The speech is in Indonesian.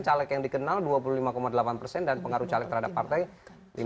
caleg yang dikenal dua puluh lima delapan persen dan pengaruh caleg terhadap partai lima belas enam persen